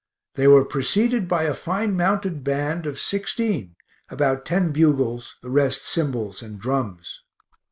They were preceded by a fine mounted band of sixteen (about ten bugles, the rest cymbals and drums).